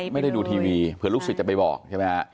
ไม่ได้ดูทีวีเผื่อลูกศิษย์จะไปบอกใช่ไหมฮะ